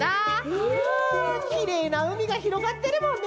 うわきれいなうみがひろがってるもんね